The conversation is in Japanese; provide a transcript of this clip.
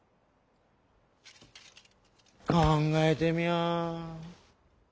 考えてみやあ。